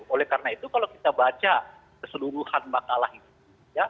oleh karena itu kalau kita baca keseluruhan makalah itu